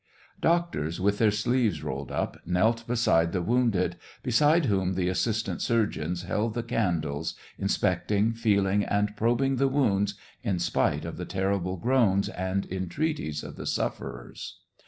Doctors, with their sleeves rolled up, knelt beside the wounded, beside whom the assistant surgeons held the candles, inspecting, feeling, and probing the wounds, in spite of the terrible groans and entreaties of the sufferers.